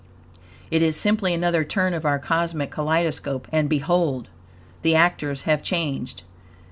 It is simply another turn of our cosmic kaleidoscope, and behold! the actors have changed.